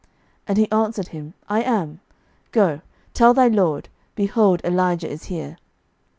11:018:008 And he answered him, I am: go, tell thy lord, Behold, Elijah is here.